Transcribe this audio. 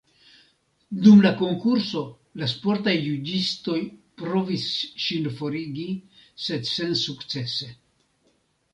Dum la konkurso, la sportaj juĝistoj provis ŝin forigi, sed sensukcese.